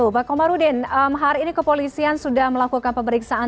pak komarudin hari ini kepolisian sudah melakukan pemeriksaan